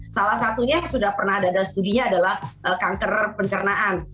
salah satunya yang sudah pernah ada dalam studinya adalah kanker pencernaan